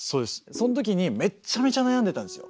そのときにめっちゃめちゃ悩んでたんですよ。